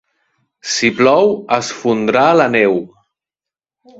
Si plou es fondrà la neu.